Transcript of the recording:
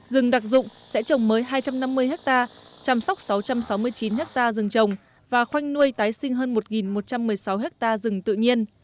rừng đặc dụng sẽ trồng mới hai trăm năm mươi ha chăm sóc sáu trăm sáu mươi chín ha rừng trồng và khoanh nuôi tái sinh hơn một một trăm một mươi sáu ha rừng tự nhiên